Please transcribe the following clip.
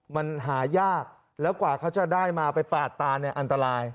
มันหายากแล้วกว่าเขาจะได้มาไปปาดตาเนี่ยอันตราย